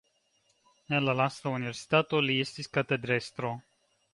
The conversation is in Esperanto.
En la lasta universitato li estis katedrestro.